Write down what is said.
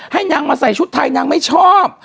ให้นางมาใส่ชุดไทยนางไม่ชอบ